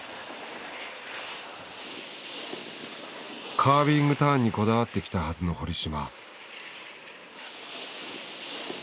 カービングターンにこだわってきたはずの堀島。